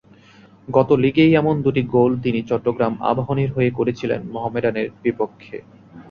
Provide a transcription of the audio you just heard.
গত লিগেই এমন দুটি গোল তিনি চট্টগ্রাম আবাহনীর হয়ে করেছিলেন মোহামেডানের বিপক্ষে।